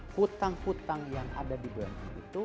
hutang hutang yang ada di bumn itu